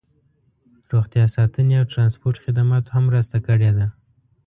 روغتیا ساتنې او ټرانسپورټ خدماتو هم مرسته کړې ده